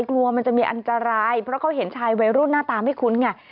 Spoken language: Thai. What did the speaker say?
กลัวมันจะมีอันตรายเพราะเขาเห็นชายวัยรุ่นหน้าตาไม่คุ้นไง